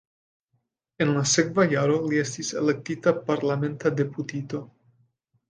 En la sekva jaro li estis elektita parlamenta deputito.